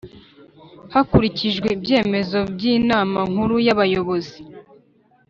Hakurikijwe ibyemezo by inama nkuru ya bayobozi